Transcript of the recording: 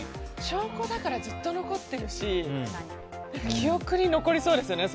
証拠だからずっと残ってるし記憶に残りそうですよね